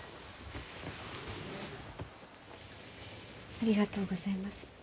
ありがとうございます。